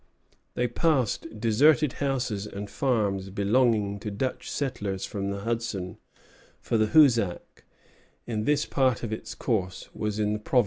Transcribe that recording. They passed deserted houses and farms belonging to Dutch settlers from the Hudson; for the Hoosac, in this part of its course, was in the province of New York.